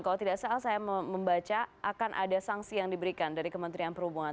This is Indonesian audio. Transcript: kalau tidak salah saya membaca akan ada sanksi yang diberikan dari kementerian perhubungan